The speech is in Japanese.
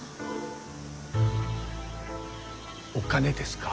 お金ですか？